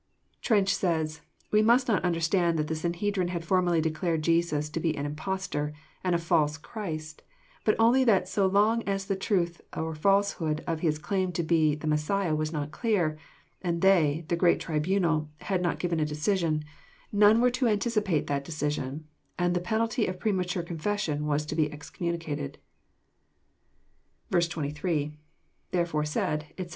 Trench says :We must not understand that the Sanhedrim had formally declared Jesus to be an impostor and a false Christ, but only that so long as the truth or falsehood of His claim to be the Messiah was not clear, and they, the great tri bunal, had not given a decision, none were to anticipate that decision, and the penalty of premature confession was to be excommunicated." 28.— [Tftere/or« said, etc."